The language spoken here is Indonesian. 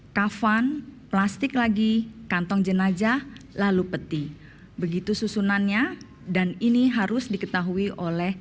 kafan plastik lagi kantong jenajah lalu peti begitu susunannya dan ini harus diketahui oleh